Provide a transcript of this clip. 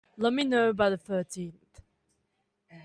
Let me know by the thirteenth.